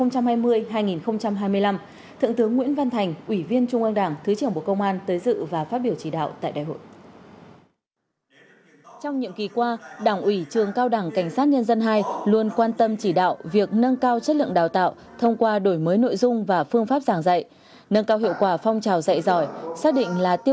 cũng trong ngày hôm nay trường cao đảng cảnh sát nhân dân hai tổ chức đại hội đại biểu đảng bộ lần thứ nhất nhiệm kỳ hai nghìn hai mươi hai nghìn hai mươi năm